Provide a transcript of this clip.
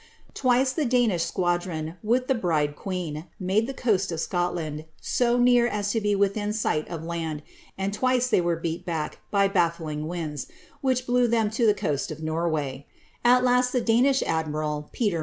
Twice the Danish squadron, with the bride queen, made the roa^i w Scotland, so near as to he within sight of land, and twice thi'V were b<ci back by balHing winds, which blew them to the coast of Korwav. A; last the Danish admiral, Peter